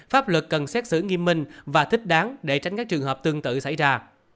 pháp luật cần xét xử nghiêm minh và thích đáng để tránh các trường hợp tương tự xảy ra